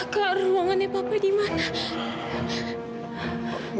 kak ruangannya bapak di mana